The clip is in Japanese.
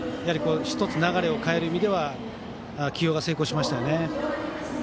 １つ流れを変える意味では起用が成功しましたね。